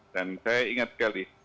dan saya ingat sekali